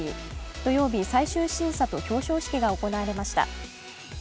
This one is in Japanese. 土曜日、最終審査と表彰式が行われました。